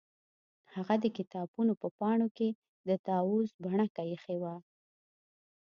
هغه د کتابونو په پاڼو کې د طاووس بڼکه ایښې وه